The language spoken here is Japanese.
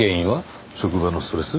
職場のストレス。